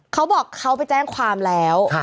เขาบอกเขาไปแจ้งความแล้ว